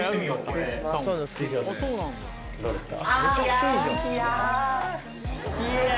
どうですか？